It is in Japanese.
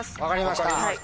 分かりました。